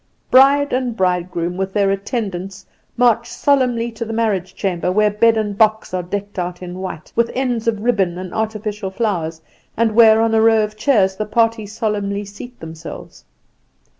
Bride and bridegroom, with their attendants, march solemnly to the marriage chamber, where bed and box are decked out in white, with ends of ribbon and artificial flowers, and where on a row of chairs the party solemnly seat themselves.